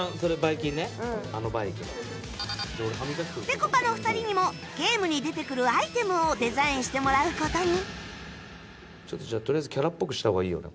ぺこぱの２人にもゲームに出てくるアイテムをデザインしてもらう事に